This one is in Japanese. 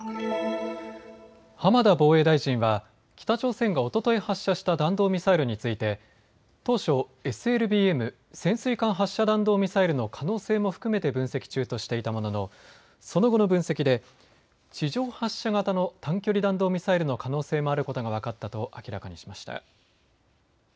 浜田防衛大臣は北朝鮮がおととい発射した弾道ミサイルについて当初、ＳＬＢＭ・潜水艦発射弾道ミサイルの可能性も含めて分析中としていたもののその後の分析で地上発射型の短距離弾道ミサイルの可能性もあることが分かったと明らかにしました。